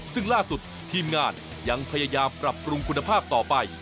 ซึ่งล่าสุดทีมงานยังพยายามปรับปรุงคุณภาพต่อไป